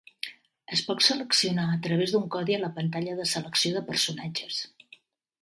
Es pot seleccionar a través d'un codi a la pantalla de selecció de personatges.